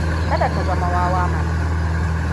Kada ka zama wawa mana.